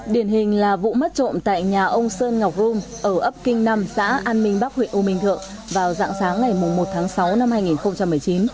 điển hình là vụ mất trộm tại nhà ông sơn ngọc rôm ở ấp kinh năm xã an minh bắc huyện u minh thượng vào dạng sáng ngày một tháng sáu năm hai nghìn một mươi chín